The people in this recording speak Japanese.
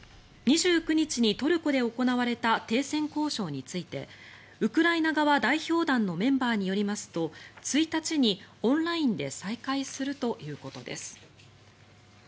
２９日にトルコで行われた停戦交渉についてウクライナ側の代表団のメンバーによりますと１日にオンラインで再開するということです。